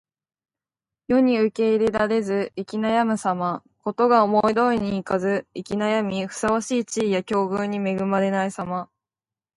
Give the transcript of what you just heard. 世に受け入れられず行き悩むさま。事が思い通りにいかず行き悩み、ふさわしい地位や境遇に恵まれないさま。